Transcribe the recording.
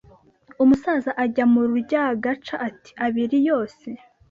umusaza ajya mu ry’agaca ati abiri yose